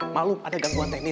malu ada gangguan teknis